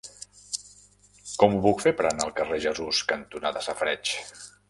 Com ho puc fer per anar al carrer Jesús cantonada Safareigs?